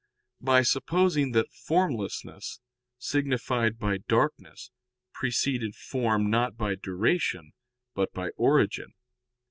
], by supposing that formlessness, signified by darkness, preceded form not by duration, but by origin.